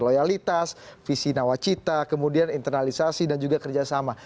loyalitas visi nawacita kemudian internalisasi dan juga kerjasama